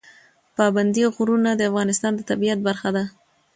پابندی غرونه د افغانستان د طبیعت برخه ده.